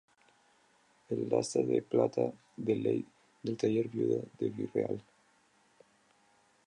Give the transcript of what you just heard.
El asta es de plata de ley del Taller Viuda de Villarreal.